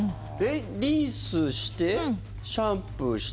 リンスしてシャンプーして？